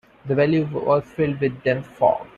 The valley was filled with dense fog.